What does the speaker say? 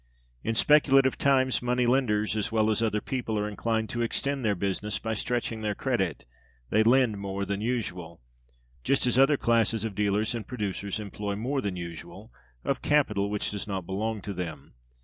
In speculative times, money lenders as well as other people are inclined to extend their business by stretching their credit; they lend more than usual (just as other classes of dealers and producers employ more than usual) of capital which does not belong to them.